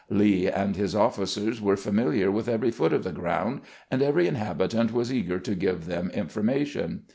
Lee and his officers were familiar with every foot of the ground, and every inhabitant was eager to give them information.